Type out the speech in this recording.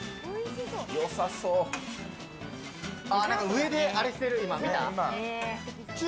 上であれしてる、今、見た？